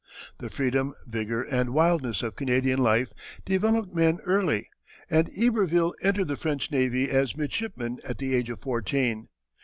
The freedom, vigor, and wildness of Canadian life developed men early, and Iberville entered the French Navy as midshipman at the age of fourteen.